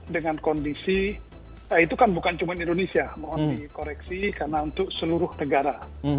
dengan kondisi itu kan bukan cuma indonesia mohon dikoreksi karena untuk seluruh negara